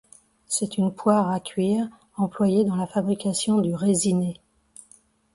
C'est une poire à cuire employée dans la fabrication du raisiné.